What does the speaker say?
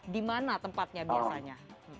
di mana tempatnya biasanya